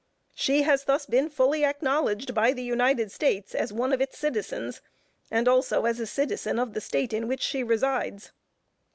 She has thus been fully acknowledged by the United States as one of its citizens, and also as a citizen of the State in which she resides.